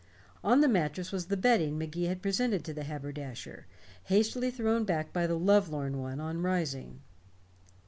On the mattress was the bedding Magee had presented to the haberdasher, hastily thrown back by the lovelorn one on rising.